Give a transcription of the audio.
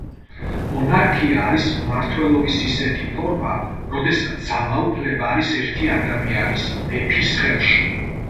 მონარქია არის მმართველობის ისეთი ფორმა, როდესაც ძალაუფლება არის ერთი ადამიანის, მეფის ხელში.